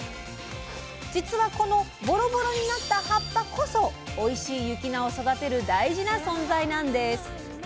実はこのボロボロになった葉っぱこそおいしい雪菜を育てる大事な存在なんです。